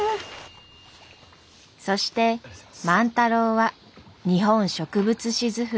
そして万太郎は「日本植物志図譜」